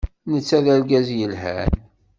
Netta d argaz yelhan.